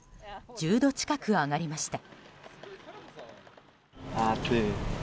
１０度近く上がりました。